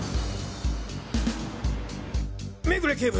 目暮警部！